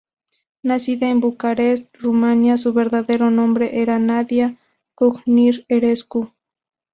Nacida en Bucarest, Rumania, su verdadero nombre era Nadia Kujnir-Herescu.